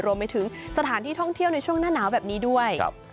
รวมไปถึงสถานที่ท่องเที่ยวในช่วงหน้าหนาวแบบนี้ด้วย